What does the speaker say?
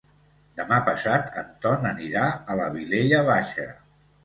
Demà passat en Ton anirà a la Vilella Baixa.